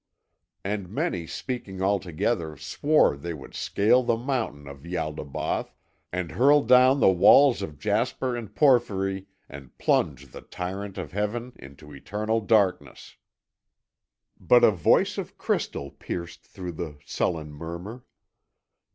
And many speaking all together swore they would scale the mountain of Ialdabaoth, and hurl down the walls of jasper and porphyry, and plunge the tyrant of Heaven into eternal darkness. But a voice of crystal pierced through the sullen murmur.